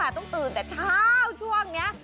ต้องตื่นแต่เช้าช่วงนี้